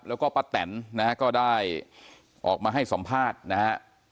แล้วก็ปะแต่นนะครับก็ได้ออกมาให้สัมภาษณ์นะครับ